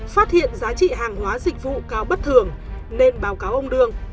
phát hiện giá trị hàng hóa dịch vụ cao bất thường nên báo cáo ông đương